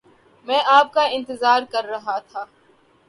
میں آپ کا انتظار کر رہا تھا۔